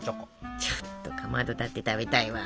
ちょっとかまどだって食べたいわ。